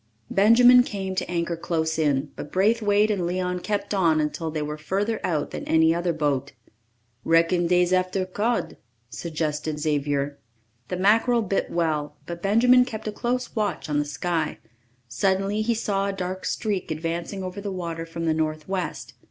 Benjamin came to anchor close in, but Braithwaite and Leon kept on until they were further out than any other boat. "Reckon dey's after cod," suggested Xavier. The mackerel bit well, but Benjamin kept a close watch on the sky. Suddenly he saw a dark streak advancing over the water from the northwest.